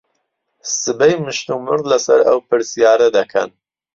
سبەی مشتومڕ لەسەر ئەو پرسیارە دەکەن.